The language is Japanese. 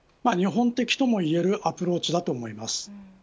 日本的ともいえるアプローチだと思います。